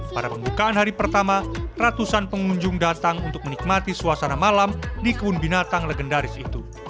pada pembukaan hari pertama ratusan pengunjung datang untuk menikmati suasana malam di kebun binatang legendaris itu